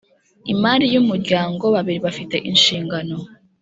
imari y umuryango babiri bafite inshingano